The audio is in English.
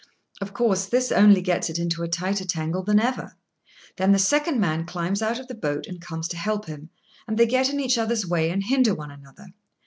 Of course, this only gets it into a tighter tangle than ever. Then the second man climbs out of the boat and comes to help him, and they get in each other's way, and hinder one another.